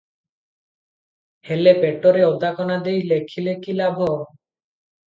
ହେଲେ ପେଟରେ ଓଦାକନା ଦେଇ ଲେଖିଲେ କି ଲାଭ?